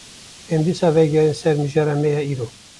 Em, dîsa vegerin ser mijara me ya îro